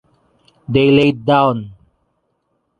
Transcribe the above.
They laid down.